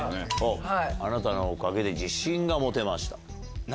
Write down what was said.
「あなたのおかげで自信が持てました」。